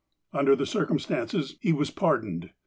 Under the circumstances, he was pardoned.